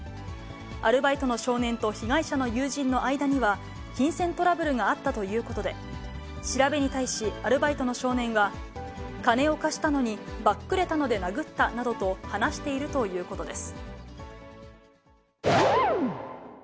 アルバイトの少年と被害者の友人の間には、金銭トラブルがあったということで、調べに対し、アルバイトの少年は、金を貸したのにばっくれたので殴ったなどと話しているということです。